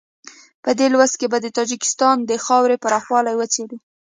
په دې لوست کې به د تاجکستان د خاورې پراخوالی وڅېړو.